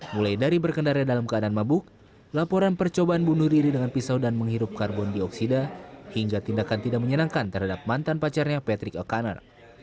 mulai dari berkendara dalam keadaan mabuk laporan percobaan bunuh diri dengan pisau dan menghirup karbon dioksida hingga tindakan tidak menyenangkan terhadap mantan pacarnya patrick econon